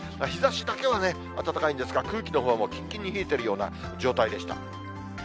日ざしだけはね、暖かいんですが、空気のほうはきんきんに冷えてるような状態でした。